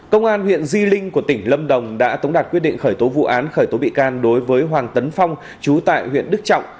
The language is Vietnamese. công an huyện di linh của tỉnh lâm đồng đã tống đạt quyết định khởi tố vụ án khởi tố bị can đối với hoàng tấn phong chú tại huyện đức trọng